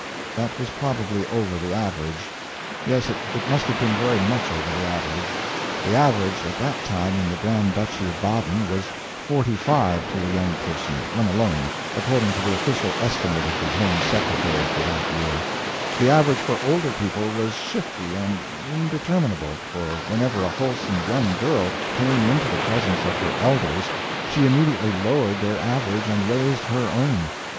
That was probably over the average. Yes, it must have been very much over the average. The average at that time in the Grand Duchy of Baden was forty five to a young person (when alone), according to the official estimate of the home secretary for that year; the average for older people was shifty and indeterminable, for whenever a wholesome young girl came into the presence of her elders she immediately lowered their average and raised her own.